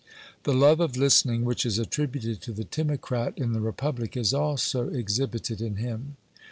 The love of listening which is attributed to the Timocrat in the Republic is also exhibited in him.